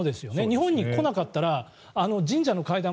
日本に来なかったらあの神社の階段